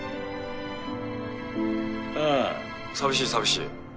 うん寂しい寂しい。